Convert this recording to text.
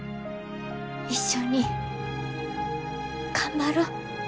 一緒に頑張ろ。